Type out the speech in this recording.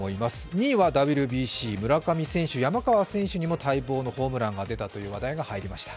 ２位は村上選手、山川選手にも待望のホームランが出たという話題が入りました。